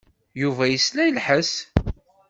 Yuba yesla i lḥess.